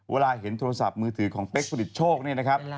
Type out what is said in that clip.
เวลาเห็นโทรศัพท์มือถือของเป๊กผลิตโชคเนี่ยนะครับ